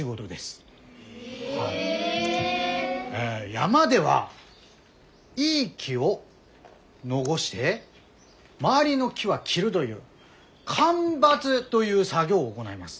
山ではいい木を残して周りの木は切るどいう間伐どいう作業を行います。